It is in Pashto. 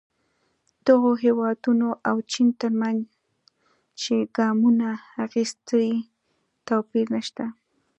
د هغو هېوادونو او چین ترمنځ چې ګامونه اخیستي توپیر نه شته.